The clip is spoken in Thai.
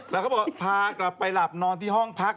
แล้วก็บอกพากลับไปหลับนอนที่ห้องพัก